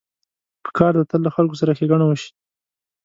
پکار ده تل له خلکو سره ښېګڼه وشي.